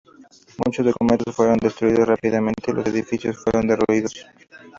Muchos documentos fueron destruidos rápidamente y los edificios fueron derruidos.